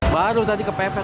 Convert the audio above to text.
baru tadi kepepet pak